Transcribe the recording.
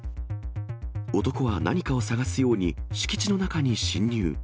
男は何かを探すように、敷地の中に侵入。